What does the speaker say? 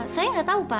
saya nggak tahu pak